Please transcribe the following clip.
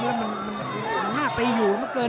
เหงื่อง่าไปอยู่น้ะเกิน